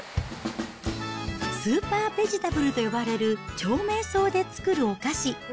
スーパーベジタブルと呼ばれる長命草で作るお菓子。